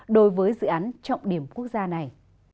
đối với dự án trọng điểm quốc gia này